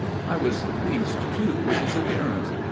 I was pleased, too, with his appearance.